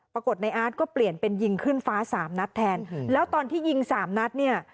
ปรากฏในอาร์ตก็เปลี่ยนเป็นยิงขึ้นฟ้าสามนัดแทนแล้วตอนที่ยิงสามนัดเนี่ย